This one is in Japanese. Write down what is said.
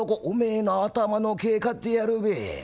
おめえの頭の毛刈ってやるべ。